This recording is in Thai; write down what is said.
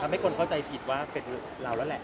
ให้คนเข้าใจผิดว่าเป็นเราแล้วแหละ